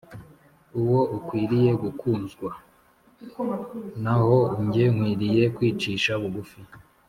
. Uwo akwiriye gukuzwa; naho jye nkwiriye kwicisha bugufi.”